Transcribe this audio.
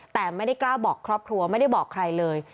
แต่ไม่ได้กล้าบอกครอบครัวไม่ได้บอกใครเลย